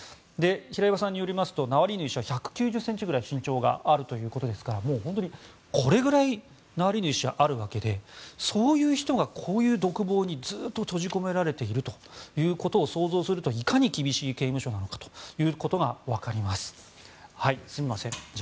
平岩さんによりますとナワリヌイ氏は１９０ｃｍくらい身長があるということですからもう本当に、これくらいナワリヌイ氏はあるわけでそういう人がこういう独房にずっと閉じ込められていることを想像すると、いかに厳しい刑務所なのかということが分かります。